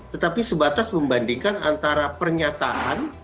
tetapi sebatas membandingkan antara pernyataan